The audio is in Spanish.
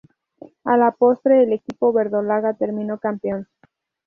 A la postre el equipo verdolaga terminó campeón.